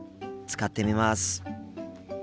使ってみます。